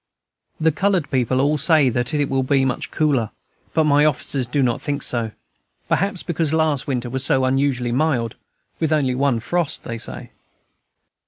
The colored people all say that it will be much cooler; but my officers do not think so, perhaps because last winter was so unusually mild, with only one frost, they say.